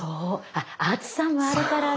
あっ暑さもあるからね。